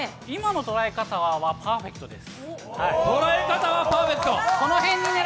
今の捉え方はパーフェクトです。